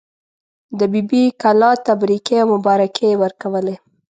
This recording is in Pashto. د بي بي کلا تبریکې او مبارکۍ یې ورکولې.